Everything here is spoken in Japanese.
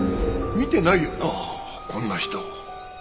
見てないよなあこんな人。